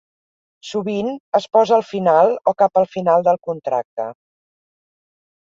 Sovint es posa al final o cap al final del contracte.